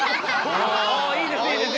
ああいいですいいです。